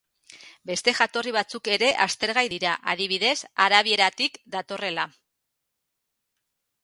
Beste jatorri batzuk ere aztergai dira, adibidez arabieratik datorrela.